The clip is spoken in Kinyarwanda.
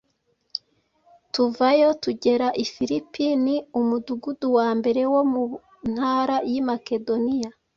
tuvayo, tugera i Filipi, ni umudugudu wa mbere wo mu ntara y’i Makedoniya,